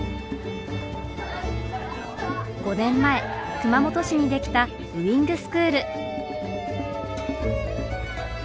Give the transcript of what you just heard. ５年前熊本市に出来たウイングスクール。